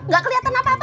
gak keliatan apa apa